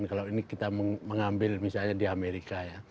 kalau ini kita mengambil misalnya di amerika ya